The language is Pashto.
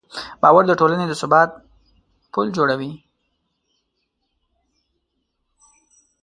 باور د ټولنې د ثبات پل جوړوي.